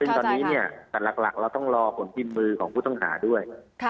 ซึ่งตอนนี้เนี่ยแต่หลักเราต้องรอผลพิมพ์มือของผู้ต้องหาด้วย